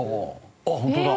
あっ本当だ。